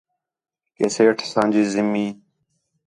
کہ سیٹھ اَساں جی زمین